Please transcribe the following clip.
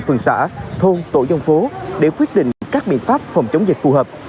phường xã thôn tổ dân phố để quyết định các biện pháp phòng chống dịch phù hợp